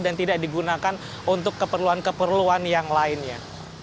dan tidak digunakan untuk keperluan keperluan yang lainnya